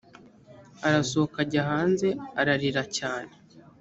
arasohoka ajya hanze ararira cyane